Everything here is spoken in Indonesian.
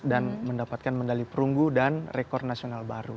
dan mendapatkan medali perunggu dan rekor nasional baru